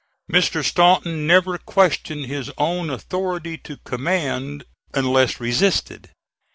Mr. Stanton never questioned his own authority to command, unless resisted.